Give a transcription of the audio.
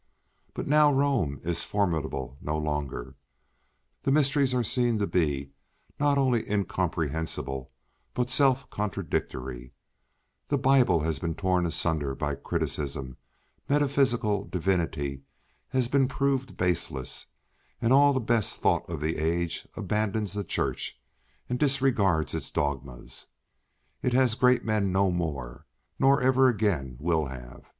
But now Rome is formidable no longer, the mysteries are seen to be not only incomprehensible but self contradictory, the Bible has been torn asunder by criticism, metaphysical divinity has been proved baseless; all the best thought of the age abandons the Church and disregards its dogmas; it has great men no more, nor ever again will have.